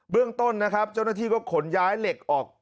เรื่องต้นนะครับเจ้าหน้าที่ก็ขนย้ายเหล็กออก